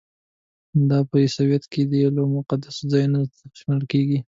دا په عیسویت کې یو له مقدسو ځایونو څخه شمیرل کیږي.